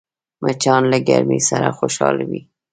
مچان له ګرمۍ سره خوشحال وي